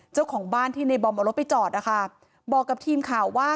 เจ้าของบ้านที่ในบอมเอารถไปจอดนะคะบอกกับทีมข่าวว่า